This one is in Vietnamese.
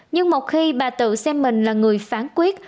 nhưng một khi bà tự xem mình là người phán quyết